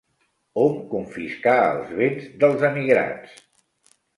Hom confiscà els béns dels emigrats.